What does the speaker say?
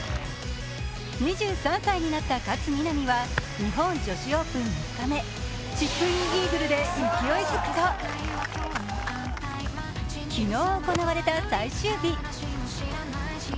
２３歳になった勝みなみは日本女子オープン３日目、チップインイーグルで勢いづくと昨日行われた最終日。